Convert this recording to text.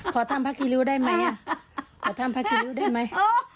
ขอทำพระคิริ้วได้ไหมขอทำพระคิริ้วได้ไหม